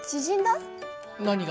何が？